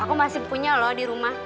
aku masih punya loh di rumah